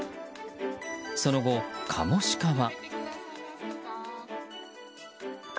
その後、カモシカは。